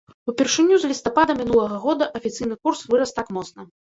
Упершыню з лістапада мінулага года афіцыйны курс вырас так моцна.